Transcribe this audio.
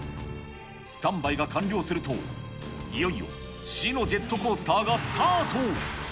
スタンバイが完了すると、いよいよ死のジェットコースターがスタート。